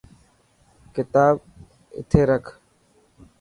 ڪتاب اتي رک.